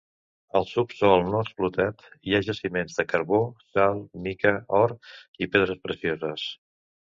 Al subsòl, no explotat, hi ha jaciments de carbó, sal, mica, or i pedres precioses.